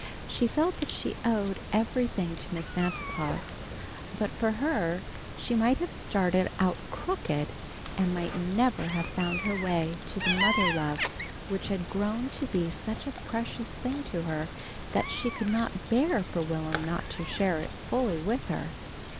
She felt that she owed everything to Miss Santa Claus. But for her she might have started out crooked, and might never have found her way to the mother love which had grown to be such a precious thing to her that she could not bear for Will'm not to share it fully with her.